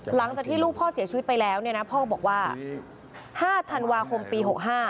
หลังจากที่ลูกพ่อเสียชีวิตไปแล้วเนี่ยนะพ่อบอกว่า๕ธันวาคมปี๖๕